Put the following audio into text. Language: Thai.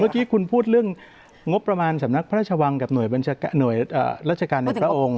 เมื่อกี้คุณพูดเรื่องงบประมาณสำนักพระราชวังกับหน่วยราชการในพระองค์